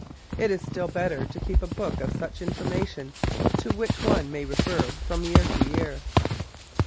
It is still better to keep a book of such information to which one may refer from year to year.